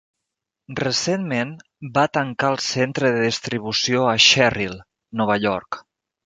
Recentment, va tancar el centre de distribució a Sherrill, Nova York.